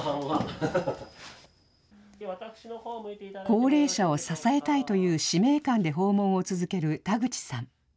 高齢者を支えたいという使命感で訪問を続ける田口さん。